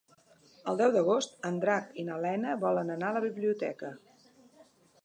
El deu d'agost en Drac i na Lena volen anar a la biblioteca.